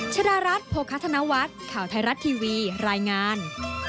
ชดารัฐโภคธนวัฒน์ข่าวไทยรัฐทีวีรายงาน